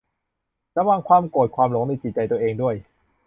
ระวังความโกรธความหลงในจิตใจตัวเองด้วย